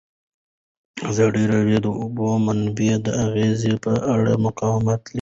ازادي راډیو د د اوبو منابع د اغیزو په اړه مقالو لیکلي.